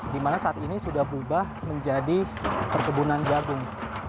dimana saat ini sudah berubah menjadi perkebunan jagung